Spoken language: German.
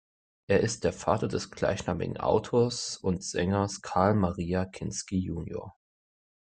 Er ist der Vater des gleichnamigen Autors und Sängers Karl-Maria Kinsky junior.